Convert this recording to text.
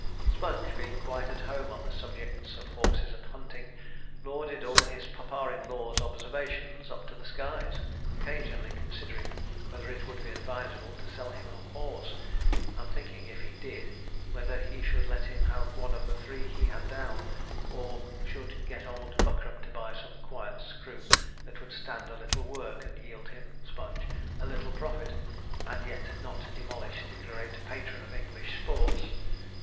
Sponge being quite at home on the subjects of horses and hunting, lauded all his papa in law's observations up to the skies; occasionally considering whether it would be advisable to sell him a horse, and thinking, if he did, whether he should let him have one of the three he had down, or should get old Buckram to buy some quiet screw that would stand a little work and yield him (Sponge) a little profit, and yet not demolish the great patron of English sports.